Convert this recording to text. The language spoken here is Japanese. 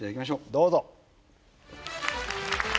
どうぞ。